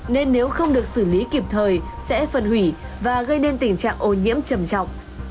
nên nếu không được xử lý kịp thời sẽ phân hủy và gây nên tình trạng ô nhiễm trầm trọng